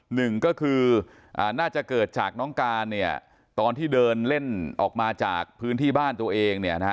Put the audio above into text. หนึ่งก็คือน่าจะเกิดจากน้องการตอนที่เดินเล่นออกมาจากพื้นที่บ้านตัวเอง